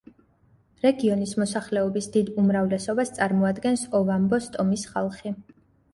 რეგიონის მოსახლეობის დიდ უმრავლესობას წარმოადგენს ოვამბოს ტომის ხალხი.